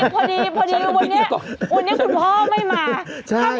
พอดีพอดีพอดีวันนี้คุณพ่อไม่มา